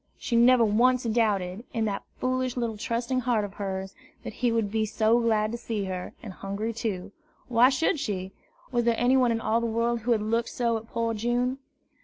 She never once doubted, in that foolish little trusting heart of hers, that he would be glad to see her, and Hungry too. Why should she? Was there anyone in all the world who had looked so at poor June?